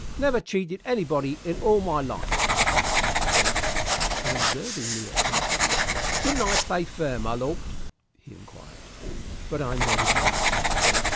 "Never cheated anybody in all my life!" he cried; and, observing me at hand, "Didn't I play fair, my lord?" he inquired. But I made no answer.